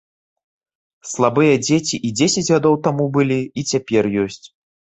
Слабыя дзеці і дзесяць гадоў таму былі, і цяпер ёсць.